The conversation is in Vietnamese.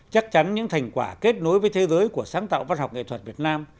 chắc chắn những thành quả kết nối với thế giới của sáng tạo văn học nghệ thuật việt nam